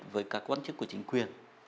với các quan chức của chính quyền